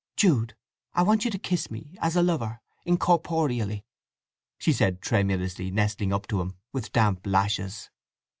"Jude, I want you to kiss me, as a lover, incorporeally," she said, tremulously nestling up to him, with damp lashes.